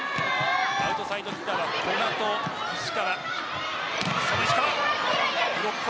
アウトサイドヒッターは古賀と石川。